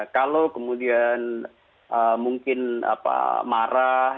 kalau kemudian mungkin marah